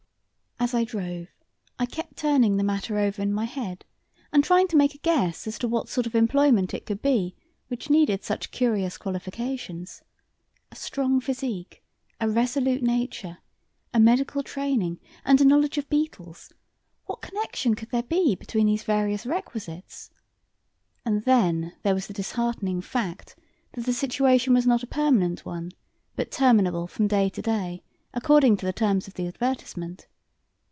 As I drove, I kept turning the matter over in my head and trying to make a guess as to what sort of employment it could be which needed such curious qualifications. A strong physique, a resolute nature, a medical training, and a knowledge of beetles what connection could there be between these various requisites? And then there was the disheartening fact that the situation was not a permanent one, but terminable from day to day, according to the terms of the advertisement.